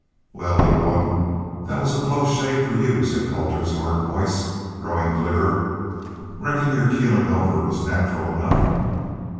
"Wal, little one, that was a close shave for y'u," said Colter's hard voice, growing clearer. "Reckon your keelin' over was natural enough."